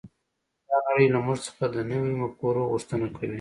دا نړۍ له موږ څخه د نویو مفکورو غوښتنه کوي